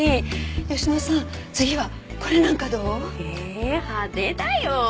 え派手だよ。